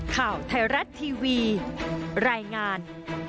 ข่าวไทยรัฐทีวีรายงาน